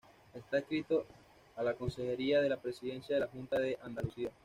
Está adscrito a la Consejería de la Presidencia de la Junta de Andalucía.